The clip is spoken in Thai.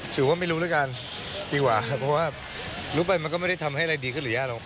ถือว่าไม่รู้แล้วกันดีกว่าครับเพราะว่ารู้ไปมันก็ไม่ได้ทำให้อะไรดีขึ้นหรือแย่หรอก